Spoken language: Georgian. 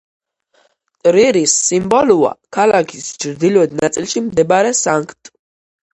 ტრირის სიმბოლოა ქალაქის ჩრდილოეთ ნაწილში მდებარე სანქტ.